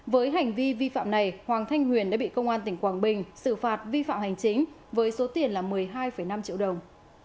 với hành vi vi phạm này hoàng thanh huyền đã bị công an tỉnh quảng bình xử phạt vi phạm hành chính với số tiền là một mươi hai năm triệu đồng